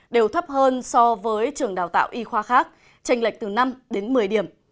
đều thấp hơn so với trường đào tạo y khoa khác tranh lệch từ năm đến một mươi điểm